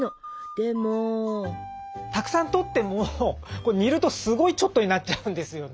たくさん採っても煮るとすごいちょっとになっちゃうんですよね。